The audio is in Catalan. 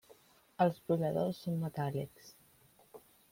Els brolladors són metàl·lics.